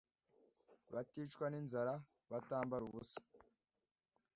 baticwa n’inzara, batambara ubusa.